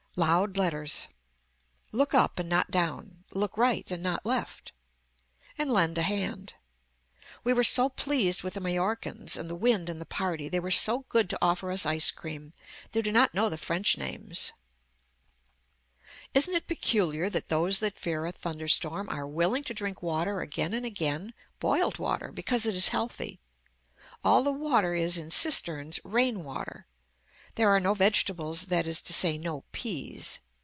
LOUD LETTERS Look up and not down. Look right and not left. And lend a hand. We were so pleased with the Mallorcans and the wind and the party. They were so good to offer us ice cream. They do not know the french names. Isn't it peculiar that those that fear a thunder storm are willing to drink water again and again, boiled water because it is healthy. All the water is in cisterns rain water. There are no vegetables that is to say no peas.